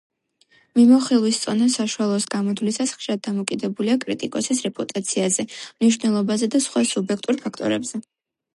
მიმოხილვის „წონა“ საშუალოს გამოთვლისას ხშირად დამოკიდებულია კრიტიკოსის რეპუტაციაზე, მნიშვნელობაზე და სხვა სუბიექტურ ფაქტორებზე.